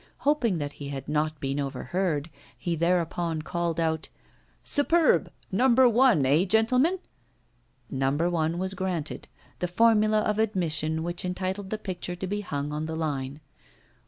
Hoping that he had not been overheard, he thereupon called out: 'Superb! No. 1, eh, gentlemen?' No. 1 was granted the formula of admission which entitled the picture to be hung on the line.